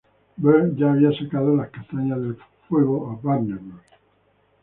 Baird ya había sacado las castañas del fuego a Warner Bros.